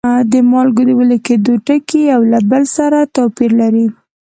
د مالګو د ویلي کیدو ټکي یو له بل سره توپیر لري.